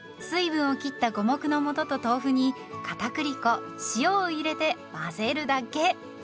水分を切った五目のもとと豆腐にかたくり粉塩を入れて混ぜるだけ。